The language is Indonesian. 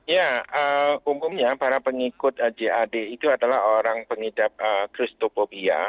ya umumnya para pengikut jad itu adalah orang pengidap kristofobia